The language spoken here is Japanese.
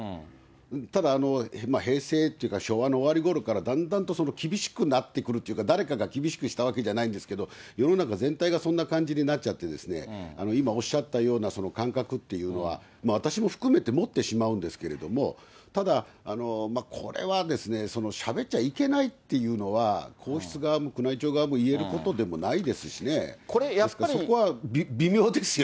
ただ、平成というか、昭和の終わりごろから、だんだんと厳しくなってくるっていうか、誰かが厳しくしたわけじゃないんですけれども、世の中全体がそんな感じになっちゃって、今、おっしゃったような感覚というのは、私も含めて持ってしまうんですけれども、ただ、これはですね、しゃべっちゃいけないっていうのは皇室側も宮内庁側も言えることでもないですしね、そこは微妙ですよ。